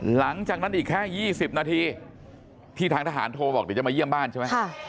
หลังจากนั้นอีกแค่๒๐นาทีที่ทางทหารโทรบอกเดี๋ยวจะมาเยี่ยมบ้านใช่ไหม